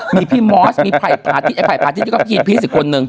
มีพี่มอสมีภัยปาทิตย์ไอ้ภัยปาทิตย์ก็ประจีนพี่สิคนนึง